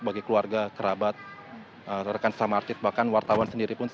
bagi keluarga kerabat rekan sesama artis bahkan wartawan sendiri pun